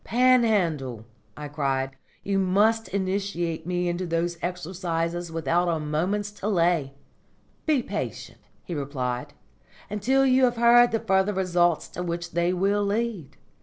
"Panhandle," I cried, "you must initiate me into those exercises without a moment's delay." "Be patient," he replied, "until you have heard the further results to which they will lead.